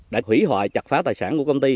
để hủy hoại chặt phá tài sản của công ty